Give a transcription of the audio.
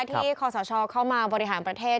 ที่ข้อสาชอเข้ามาบริหารประเทศ